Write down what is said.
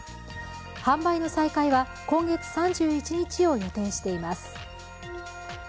販売の再開は今月３１日を予定しています。